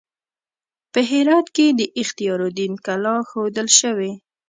په هرات کې د اختیار الدین کلا ښودل شوې.